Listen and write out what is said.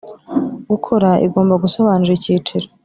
gukora igomba gusobanura icyiciro